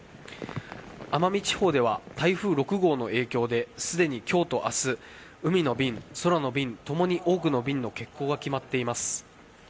奄美地方では台風６号の影響で、すでにきょうとあす、海の便、空の便ともに多くの便の欠航が決まっています。